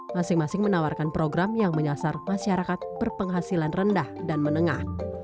masing masing menawarkan program yang menyasar masyarakat berpenghasilan rendah dan menengah